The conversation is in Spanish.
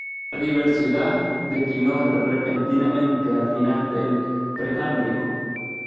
La diversidad declinó repentinamente al final del Precámbrico.